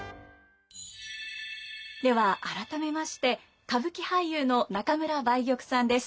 では改めまして歌舞伎俳優の中村梅玉さんです。